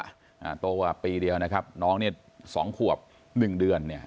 อ่าโตกว่าปีเดียวนะครับน้องเนี้ยสองขวบหนึ่งเดือนเนี่ย